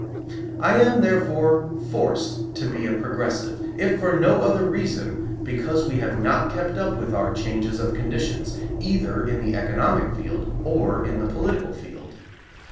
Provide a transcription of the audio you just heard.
I am, therefore, forced to be a progressive, if for no other reason, because we have not kept up with our changes of conditions, either in the economic field or in the political field.